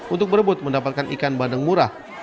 untuk berebut mendapatkan ikan bandeng murah